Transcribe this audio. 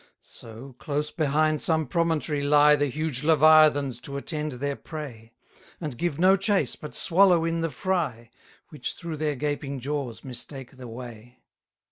203 So, close behind some promontory lie The huge leviathans to attend their prey; And give no chase, but swallow in the fry, Which through their gaping jaws mistake the way.